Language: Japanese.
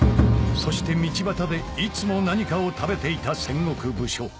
そして道端でいつも何かを食べていた戦国武将